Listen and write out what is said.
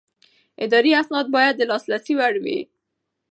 اداري اسناد باید د لاسرسي وړ وي.